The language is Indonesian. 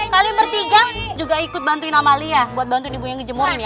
kalian bertiga juga ikut bantuin amalia buat bantuin ibunya ngejemurin ya